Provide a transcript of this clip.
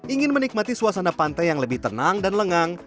ingin menikmati suasana pantai yang lebih tenang dan lengang